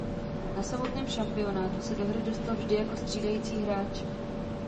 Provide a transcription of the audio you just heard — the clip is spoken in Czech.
Na samotném šampionátu se do hry dostal vždy jako střídající hráč.